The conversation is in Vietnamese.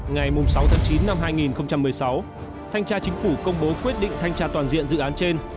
ngày sáu tháng chín năm hai nghìn một mươi sáu thanh tra chính phủ công bố quyết định thanh tra toàn diện dự án trên